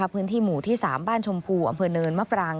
พื้นที่หมู่ที่๓บ้านชมพูอำเภอเนินมะปราง